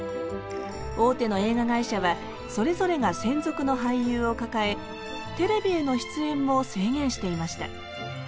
大手の映画会社はそれぞれが専属の俳優を抱えテレビへの出演も制限していました。